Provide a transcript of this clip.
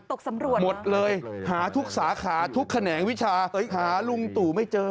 ตกสำรวจหมดเลยหาทุกสาขาทุกแขนงวิชาหาลุงตู่ไม่เจอ